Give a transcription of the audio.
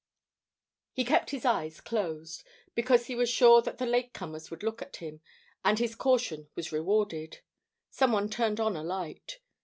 He kept his eyes closed, because he was sure that the latecomers would look at him, and his caution was rewarded. Someone turned on a light.